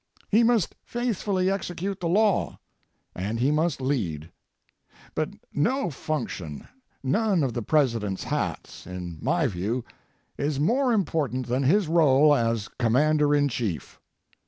He must faithfully execute the law. And he must lead. But no function, none of the President's hats, in my view, is more important than his role as Commander in Chief.